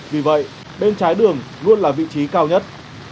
vì vậy bên trái đường luôn là vị trí cao nhất